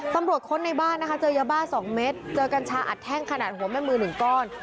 ค้นในบ้านนะคะเจอยาบ้า๒เม็ดเจอกัญชาอัดแท่งขนาดหัวแม่มือ๑ก้อน